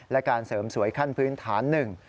และการเสริมสวยขั้นพื้นฐานหนึ่ง